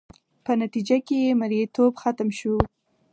په نتیجه کې یې مریتوب ختم شو.